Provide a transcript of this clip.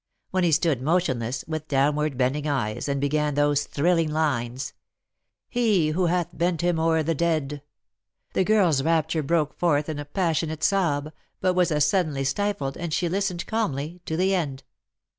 When he stood motionless, with downward bending eyes, and began those thrilling lines :" He who hath bent him o'er the dead," the girl's rapture broke forth in a passionate sob, but was ar suddenly stifled, and she listened calmly to the end.